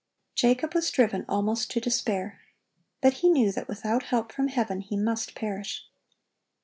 Jacob was driven almost to despair; but he knew that without help from heaven he must perish.